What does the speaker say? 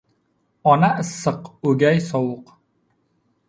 • Ona ― issiq, o‘gay ― sovuq.